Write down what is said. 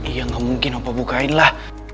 iya gak mungkin opa bukainlah